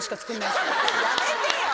やめてよ。